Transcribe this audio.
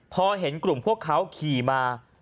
พอเห็นกลุ่มพวกเขาขี่มา